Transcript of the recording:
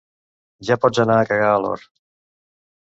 Ja pots anar a cagar a l'hort!